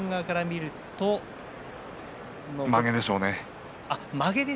まげでしょうね。